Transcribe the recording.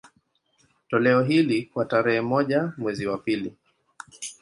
Toleo hili, kwa tarehe moja mwezi wa pili